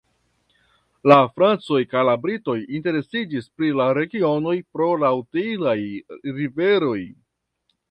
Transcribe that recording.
La francoj kaj la britoj interesiĝis pri la regionoj pro la utilaj riveroj.